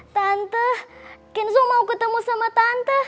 tante kinzo mau ketemu sama tante